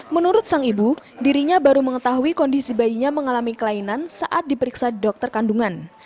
menurut sang ibu dirinya baru mengetahui kondisi bayinya mengalami kelainan saat diperiksa dokter kandungan